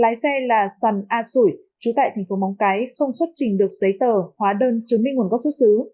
lái xe là sần a sủi chú tại thành phố móng cái không xuất trình được giấy tờ hóa đơn chứng minh nguồn gốc xuất xứ